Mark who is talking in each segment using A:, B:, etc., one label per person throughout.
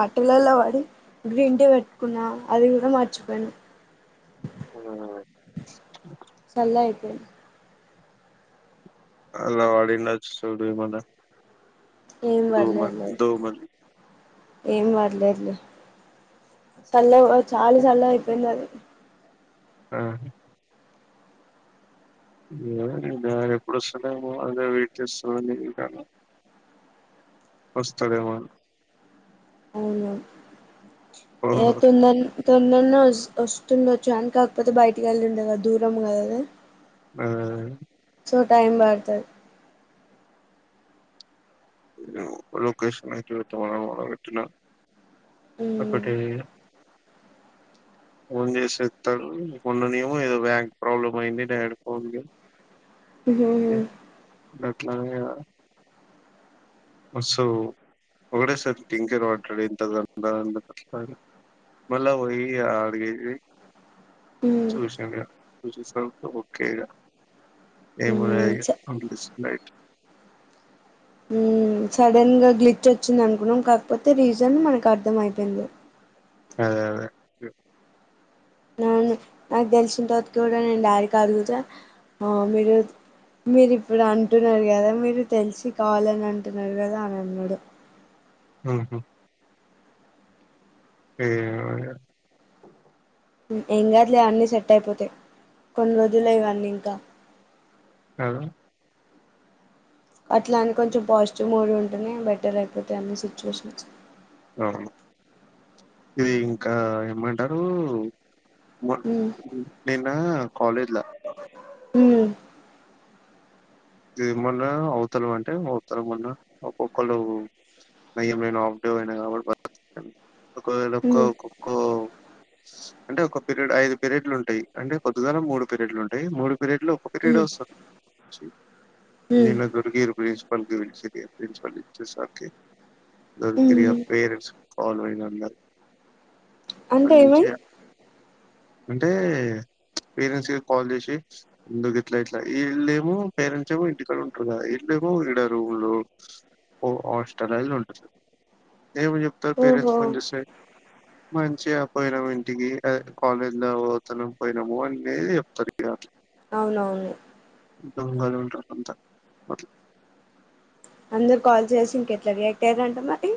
A: ఆటలల్లో పడి green tea పెట్టుకున్నా అది కూడా మర్చిపోయిన చల్ల గ అయితే
B: అల్లా వాడి వినచు చూడు ఏమన్నా
A: ఏం
B: దోమ
A: వదిలేద్ లేద్
B: దోమలు
A: ఏం బర్లేదు లే చల్లగ చాల చల్లగ అయిపోయిందది
B: ఆ ఏమో ఆయన ఎప్పుడు వస్తాడో అదే వెయిట్ చేస్తన వస్తడేమో అని
A: అవునవును ఎ
B: ఓహో
A: తొందర్నె తొందర్నే వస్త్ గుర్తుండొచ్చు అని కాకపోతే బయటికి వెళ్ళండే కదా దూరం కద
B: ఆ
A: సో టైమ్ బడ్తది
B: లొకేషన్ అయితే [unintelligible] తమ మన పెట్టిన్నా
A: మ్మ్
B: ఒకటీ ఫోన్ చేసి. తరుణ్ మొన్ననేమో ఏదో బ్యాంక్ ప్రాబ్లమ్ అయింది డాడీ ఫోన్కి.
A: మ్మ్
B: [unintelligible] మ సో ఒకడే సార్ [unintelligible] మళ్ళా పోయి అడిగేది. చూసిన నేను నువు చూసా గా ఓకే ఇగ. నేన్ కూడా ఇగ [unintelligible] బైట్.
A: హుమ్మ్ సడన్ గా గ్లిట్ వచ్చింది అనుకున్నాం, కాకపోతే రీజన్ మనకు అర్థం అయిపోయింది.
B: అదే అదే గ్లిట్.
A: అవును నాకు దెలిసిన తర్వాత కూడా నేను డాడికి అడుగుతే, మీరు మీరు ఇప్పుడు అంటున్నారు కదా, మీరు తెలిసి కావాలని అంటున్నారు కదా అని అన్నాడు.
B: ఉహుమ్. ఏ
A: ఏం గాదులే అన్ని సెట్ అయిపోతాయి, కొన్ని రోజులే ఇవన్నీ ఇంకా.
B: అవును.
A: అట్లా అని కొంచెం పాజిటివ్ మూడ్ ఉంటనే, బెటర్ అయిపోతాయి అన్ని సిచ్యువేషన్స్.
B: అవును ఇది ఇంకా ఏమన్. టారు. మొన్
A: హ్మ్
B: నిన్న కాలేజ్ల.
A: హుమ్మ్.
B: ఇది మొన్న అవతల అంటే అవతల మొన్న ఒక్కొక్కళ్ళు, నయామైన నేన్ ఆఫ్డే పోయిన కాబట్టి బతికిపోయిన. ఒకవేళ ఒక్క
A: హ్మ్
B: కుక్క. అంటే ఒక పీరియడ్, ఐదు పీరియడ్లు ఉంటాయి. అంటే పొద్దుగాల మూడు పీరియడ్లు ఉంటయి, మూడు. పిరెడ్ లో ఒక్క పిరిడే
A: హ్మ్
B: ఓస్తది.
A: హ్మ్
B: నిన్న గుడికి ఎల్పోయా. ప్రిన్సిపాల్ ని, [unintelligible] ప్రిన్సిపాల్ వచ్చేసరికి. [unintelligible]
A: హ్మ్
B: పేరెంట్స్ ఫాలో అయినన్నారు
A: అంటే ఏమైంది
B: మంచిగా. అంటే పేరెంట్స్ కి కాల్ చేసి, ముందుకు ఇట్లా ఇట్లా, ఇల్లేమో పేరెంట్. పరెంట్స్ ఏమో ఇంటికాడ ఉంటారు కదా. ఇల్లేమో ఇడ రూములో, హా హాస్టల్ లో ఉంటారు. ఏము చెప్తారు,
A: ఓహో
B: పేరెంట్స్ ఫోన్ చేస్తే. మంచిగా పోయినాము ఇంటికి, ఆ కాలేజ్ లో పోతున్నాం, పోయినాము అనీ ఇదే చెప్తారు ఇగా.
A: అవునవులే.
B: దొంగలు ఉంటార్. అంతా ఓకే.
A: అందరు కాల్ చేసి, ఇంక ఎట్లా రియాక్ట్ అయ్యారంట మరి.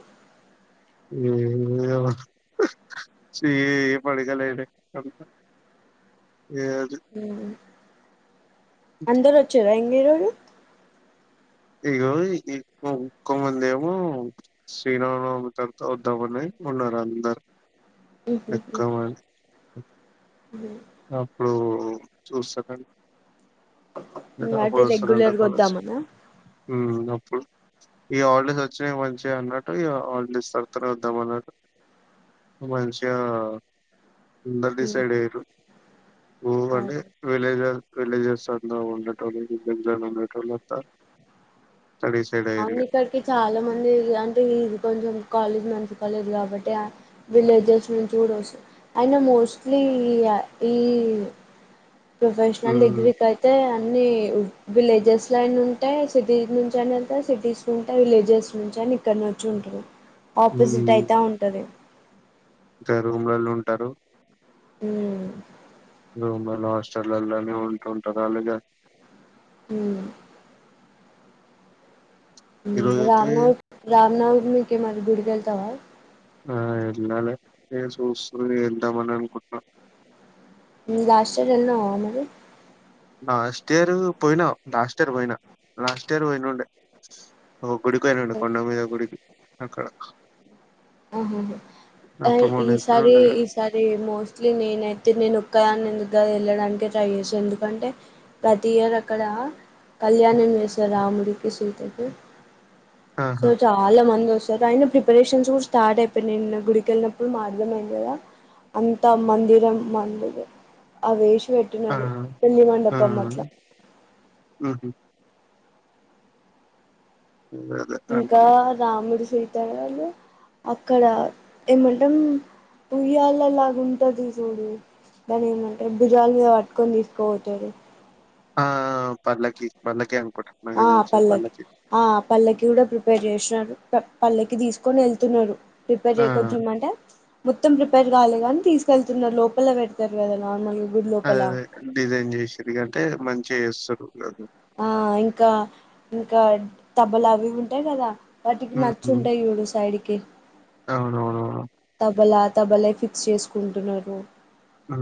B: ఏం లే అబ్బా, చి పడుకో లేటైంది పడుకో.
A: అందరు వచ్చార ఇంగేరు. కుత్.
B: ఇగో ఇంకో ఇంకో మంది ఏమో శ్రీరామనవమి తర్వాత వద్దామని ఉన్నారు అందర్. ఎక్కవ
A: ఉ
B: అప్పుడు చూస్తానండి
A: అంటే
B: అపడుస్తుర
A: రెగ్యులర్గా
B: కాలజ
A: వద్దామనా
B: డు ఈ ఆాలడేస్ వచ్చినాయి మంచిగా అన్నట్టు ఈ ఆాలడేస్ తర్తనే వద్దాం అన్నట్టు మంచిగా అందరూ
A: ఉమ్,
B: డిసైడ్ అయ్యారు ఓ అంటే
A: అవును
B: విలేజ్ వి ెట్రోజ మెట్రోల్త [unintelligible]
A: అవును ఇక్కడికి చాలా మంది అంటే ఇది కొంచెం కాలేజ్ మంచి కాలేజ్ కాబట్టి విలేజెస్ నుంచి కూడా వస్తుంది అయిన మోస్ట్లీ ఈ ప్రొఫెషనల్
B: హ్మ్.
A: డిగ్రీ కైతే అయితే అన్ని విలేజెస్ లోన్న ఉంటాయి సిటీ నుంచి అనే సిటీస్ ఉంటా విలేజెస్ నుంచి అని ఇక్కడ ను వచ్చి ఉంటారు ఆపోజిట్
B: హ్మ్.
A: అయితా ఉంటది
B: ఇంకా రూమ్లలో ఉంటారు
A: ఊ
B: రూమ్లలో హాస్టల్లోనే ఉంటు ఉంటారు అలాగ
A: ఊ
B: ఈరోజైతే
A: రామ్న రామ్నవ మీకే మాది గుడికి వెళ్తావా
B: ఆ ఎలాాల సూస ఎంతా మనకు
A: లాస్ట్ ఇయర్ వెళ్ళినావా మరి
B: లాస్ట్ ఇయర్ పోయినా లాస్ట్ ఇయర్ పోయినా లాస్ట్ ఇయర్ పోయినండ ఒక గుడికి పోయినండి కొండ మీద ఒక గుడికి అక్కడ
A: ఆహాహా ఆ,
B: అప్పుడు మొన్న ఎప్పు
A: ఈసారి
B: ఉండ క
A: ఈసారి మోస్ట్లీ నేనైతే నేను ఒక్కద నగా వెళ్ళడానికి ట్రై చేశాను ఎందుకంటే ప్రతి ఇయర్ అక్కడ కళ్యాణం చేశాను రాముడికి సీతకి సో
B: ఆహా!
A: చాలా మంద వస్తు స అయిన ప్రిపరేషన్స్ కూడా స్టార్ట్ అయిపోయి నిన్న గుడికెళ్ళినప్పుడు మా అథంయింది కదా అంత మందిరం మండది అ వే
B: ఆ!
A: పెట్టినరు పెళ్లి
B: ఆ!
A: మండపం అట్ల
B: హుహు. అదే
A: ఇంకా
B: అర్థమైంది.
A: రాముడి చేతారు వాళ్ళు అక్కడ ఏమంటే పుయ్యాళలాగా ఉంటుంది చూడు దాని ఏమంటే భుజాలుగా పట్టుకొని తీసుకోపోతాారు
B: ఆ పల్లకి పల్లకి అం
A: ఆ పల్లకి ఆ పల్లకి కూడా ప్రిపేర్ చేసినారు పల్లెకి తీసుకొని వెళ్తున్నారు ప్రిపేర్
B: ఆ!
A: చేయకవచ్చుమ్మంట మొత్తం ప్రిపేర్ కవాలే గానీ తీసుకెళ్తున్నారు లోపల పెడతారు కదా నార్మల్
B: అది అదే డిజైన్ చేసేది కంటే మంచి చేస్తారు అది
A: ఆ ఇంకా ఇంకా తబ్బలు అవి ఉంటాయి కదా వాటికి
B: హ్మ్.
A: నచ్చుంటాయి చూడు సైడ్కి కే
B: అవునవునవును.
A: తబలా తబలా ఫిక్స్ చేసుకుంటున్నారు
B: ఆ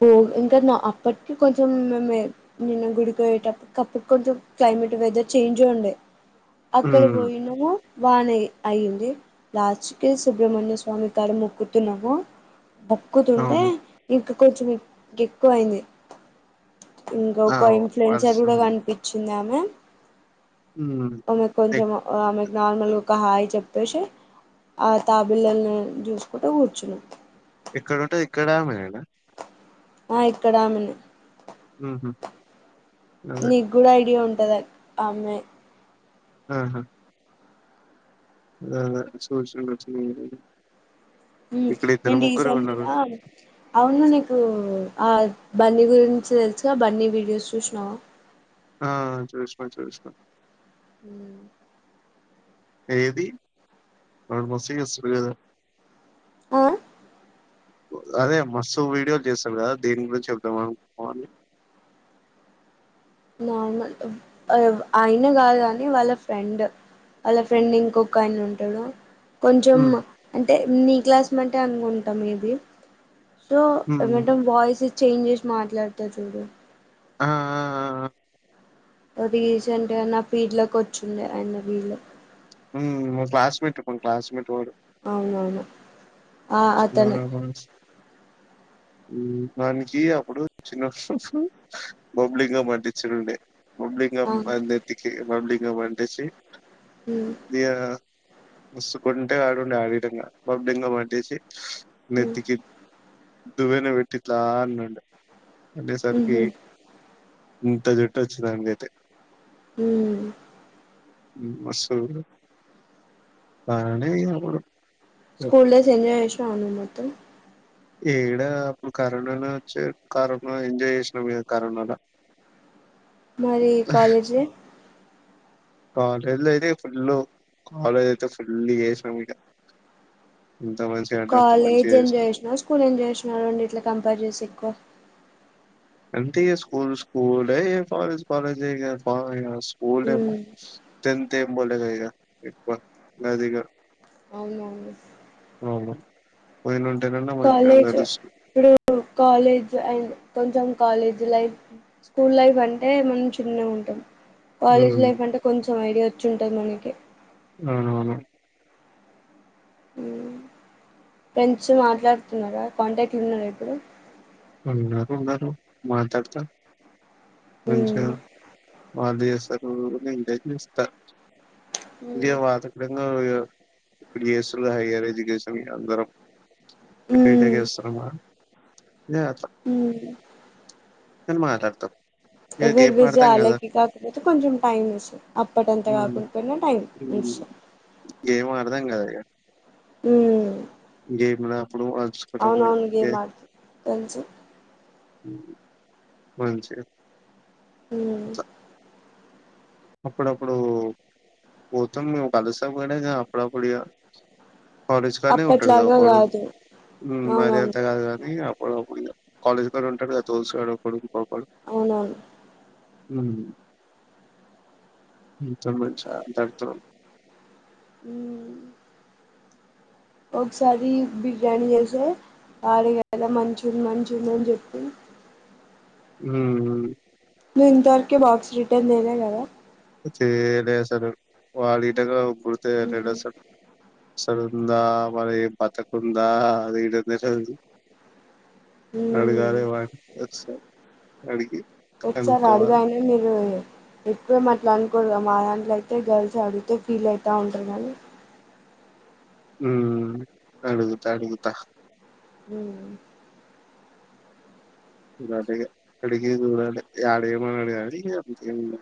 A: పో ఇంకా నా అప్పటికి కొంచెం మేమే నిన్న గుడికి ఎల్లే టప్పటికి అప్పటి కొంచెం క్లైమేట్ వెదర్ చేంజ్ ఉండే అక్కడ
B: హ్మ్.
A: పోయినాన బానే అయింది లాస్ట్కీ సుబ్రహ్మణ్య స్వామి కాడ ముక్కుతున్నాము బుక్కుతుంటే
B: అవును.
A: ఇంక కొంచెం ఎక్కువ అయింది ఇంకా
B: ఆ!
A: ఒక ఇన్ఫ్లుయెన్సర్ కూడా
B: వర్షం.
A: కనిపించింది అమే
B: హ్మ్.
A: ఆ అమె
B: ఎ
A: కొంచం ఆహ్ ఆమె నార్మల్ ఒక హాయి చెప్పేసి, ఆ తాబిల్లల్ని చూసుకుంటూ కూర్చున్నా
B: ఎక్కడుంటది? ఇక్కడ ఆమెనేనా?
A: ఆ ఇక్కడ ఆమెను
B: ఉహు
A: నిక్ కూడా ఐడియా ఉం టద ఆమ్మె
B: ఆహా అల అల చూసుండచు మేబి
A: హమ్ రండి ఈ సారి మీద అవును నీకు ఆహ్ బన్నీ గురించి తెలుసుగా బన్నీ వీడియోస్ చూసినావా
B: ఆహ్ చూస్నా చూస్నా
A: హ్మ్.
B: ఏది వాళ్ళు మూసుకేసుకునేదా
A: ఆ
B: అదే మస్తు వీడియోలు చేస్తాడు కదా దేని గురించి చెప్దాం అనుకొని
A: నార్మల్ ఆహ్ ఆయన కాదు కానీ వాళ్ళ ఫ్రెండ్, వాళ్ళ ఫ్రెండ్ ఇంకొక ఆయన ఉంటాడు కొంచెం
B: హ్మ్.
A: అంటే నీ క్లాస్ మెంటే అనుకుంటా మీది సో
B: హ్మ్.
A: ఏమంటే వాయిస్ చేంజెస్ మాట్లాడుత చూడు
B: ఆ ఆ ఆ
A: రీసెంట్ గా నా పీడ్ లోకి వచ్చిండే ఆయన రీళ్లు
B: మ్ మా క్లాస్మేట్ మా క్లాస్మేట్ వాడు
A: అవునవును ఆ! అతనే.
B: ఆహా వనికి అప్పుడు చిన్నఅప్పుడు బబ్లీగం అంటించుండే బబ్లీగం
A: ఆ!
B: ఆహ్ నెత్తికి బబ్లీగ్ ఇగ మంటెసి
A: హ్మ్.
B: ది ఆ ముసుగుంటే ఆడుండి ఆడిటంగా బాగు బెంగ పట్టేసి
A: హ్మ్.
B: నెత్తికి దువ్వెన పెట్టి ఇట్లా అన్నడు అంటేసరికి
A: హుహు.
B: ఇంత జుట్టు వచ్చింది వానికి అయితే
A: హ్మ్
B: వస్తువు అనీ ఏం
A: స్కూల్ డేస్ ఎంజాయ్ చేసి తనూ మొత్తం
B: ఏడా అప్పుడు కరోనాలో వచ్చే కరోనా ఎంజాయ్ చేసినాం ఇగ కరోనాలా
A: మరీ కాలేజీ
B: కాలేజ్ లో అయితే ఫుల్ కాలేజ్ అయితే ఫుల్ చేసాం ఇగ ఎంత మంచిగా అంటే అంత మంచిగా
A: కాలేజ్
B: చేసినాం.
A: ఎంజాయ్ చేసినవ స్కూల్ ఎంజాయ్ చేసినరా అండి ఇట్లా కంపేర్ చెస్తే ఎక్కువ
B: అంటే ఇగ స్కూల్ స్కూల్ ఏ ఇగ కాలేజ్ కాలేజ్ ఏ ఇగ ఫ స్కూల్ ఏమో
A: మ్మ్
B: టెన్త్ ఏ ఫుల్డే ఇగ ఎక్కువ ఇగ అది ఇగ
A: అవును అవును
B: [unintelligible] పోయినుం
A: కాలేజ్ ప్పుడు కాలేజ్ అండ్ కొంచెం కాలేజ్ లైఫ్ స్కూల్ లైఫ్ అంటే మనం చిన్నగ ఉంటాం కాలేజీ
B: హ్మ్.
A: లైఫ్ అంటే కొంచె సగం ఐడియా వచ్చి ఉంటది మనకి
B: ఆ అవును
A: ఫ్రెండ్స్ మాట్లాడుతున్నారా కాంటాక్ట్ ల వున్నారా ఇప్పుడు
B: అందరు ఉన్నారు మాట్లాడత మంచిగా
A: మ్మ్
B: వాళ్ళు చేస్తారు నేను గాని చేస్తా ఇదే వాత [unintelligible] ఇప్పుడు చేస్తున్నరు హయ్యర్ ఎడ్యుకేషన్ కి అందరం బీటెక్
A: మ్మ్
B: చేస్తునంగా అదే అట్లా
A: మ్మ్
B: కని మాట్లాడ్తా
A: ఎవరి విజయయాలకి కాకపోతే కొంచెం టైం ఇస్త అప్పటింతా
B: ఉమ్
A: కాకుండపోయినా టైం ఇస్తాం
B: అర్థం కాలే
A: ఉమ్
B: ఇ గేమ్ లా అప్పుడు అజకట్టం ఇగ
A: అవునవును
B: ఏ
A: గేమ్ ఆడుత తెలుసు
B: హ మంచిగా
A: హు
B: అట్లా అప్పుడప్పుడు పోతాం మేము కలస్తాం గాని ఇగా అప్పుడప్పుడు ఇగ కాలేజ్ కాన్నే ఉంటాడు గా
A: అప్పట్లాగా
B: ఒకడు
A: కాదు
B: హు మరి
A: అవునవును
B: అంత కాదు కానీ అప్ కాలేజ్ కాడ ఉంటడు గా దోస్త్ గాడు ఒకడు
A: అవునవును
B: హ సంబంధించి దం తో
A: హు ఒకసారి బిర్యానీ చేసే ఆరగాలా మంచి మంచిగ ఉందని చెప్పి
B: హు
A: నువ్ ఇంతవరకి బాక్స్ రిటర్న్ చేయలే కదా
B: చేయాలె అసలు వాడు గిట్టా కుడుతే
A: ఉమ్
B: రెడసట్ అస్సలుందా మరి బతికుందా అది గిట్ట తెలువదు
A: ఉమ్
B: అడగాలే వాన్ ఒకసారి అడిగి
A: ఒకసారి
B: కనుక్కోవాలి
A: ఇట్లా అనుకోరు గా మా దాంట్లో అయితే గర్ల్స్ అడుగితే ఫీల్ అవుతూ ఉంటరు గాని
B: హు అడుగుతా అడుగుతా
A: హు
B: అడిగా అడిగే చూడాలే వాడు ఏం అనడు కానీ ఇంగా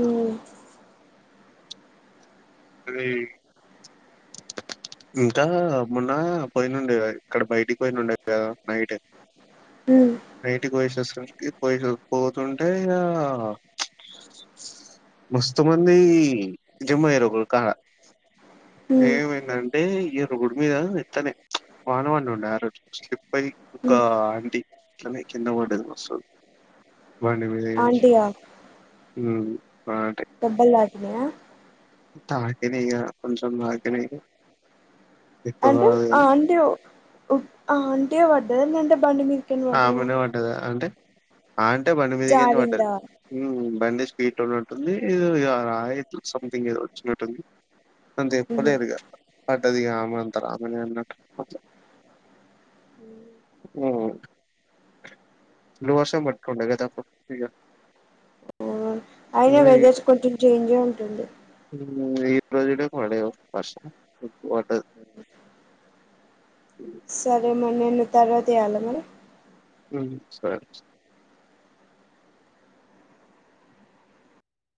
B: త అదే ఇంకా మొన్న పోయినండి ఇక్కడ బయటికి పోయినుండే కదా నైట్
A: హ్మ్
B: నైట్ పోయేసోస్తుంటే పో పోతున్ టే ఇగ మస్తు మంది జమాఇర్రు ఒక కాడ
A: హ్మ్
B: ఏమైందంటే రోడ్డు మీద నిత్తనే వాన వాడుండే ఆ రోజు స్లిప్ై ఆ ఒక
A: హ్మ్
B: ఆంటీ అట్లనే కింద పడ్డది మస్తు బండి మీద నుంచి హు
A: దేబ్బల్ తా కినయా
B: తాకినై ఇగ కొంచం తాకినయి
A: అంటే ఆంటి ఒ ఆంటి వాడ లేదంటే బండి మీ
B: ఆమనే వడ్డదా అంటే అంటే బండి మీద కెళ్ళి పడ్డది
A: జారిందా
B: బండి తెతోనట్ ఉంది ఎదో ఇగ రాయెట్లు సంథింగ్ ఏదో వచ్చినట్టుంది
A: ఊహూ
B: చెప్పలేదు ఇగ పడ్డది ఇగ ఆ అందరు ఆమెనే అన్నరు అ లోహసం పటుకుంటడి గద తప్పు ఇగ
A: అయిన
B: ఈ
A: వెదర్స్ కొంచం చేంజే ఉంటుంది
B: ఈ రోజు ఇడ పడే వర్షం ఇడ వడ్డది
A: అ సరే మరి నన్ను తర్వాత చేయల మరి
B: ఉ సరే